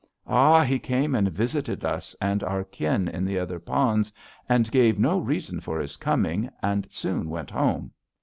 "'Ah! He came and visited us and our kin in the other ponds, and gave no reason for his coming, and soon went home.